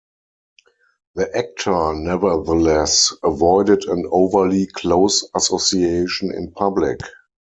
The actor nevertheless, avoided an overly close association in public.